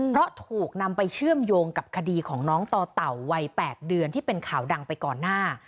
เพราะถูกนำไปเชื่อมโยงกับคดีของน้องต่อเต่าวัย๘เดือนที่เป็นข่าวดังไปก่อนหน้า